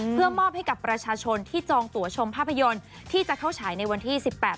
เพื่อมอบให้กับประชาชนที่จองตัวชมภาพยนตร์ที่จะเข้าฉายในวันที่๑๘